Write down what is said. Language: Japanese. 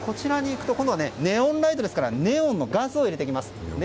ネオンライトですからネオンのガスを入れていきます。